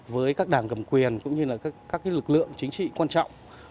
với các đảng cầm quyền cũng như là các lực lượng chính trị quan trọng